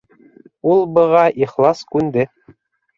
Ул быға ихлас күнде: